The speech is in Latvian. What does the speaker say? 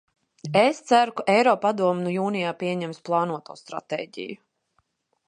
Es ceru, ka Eiropadome jūnijā pieņems plānoto stratēģiju.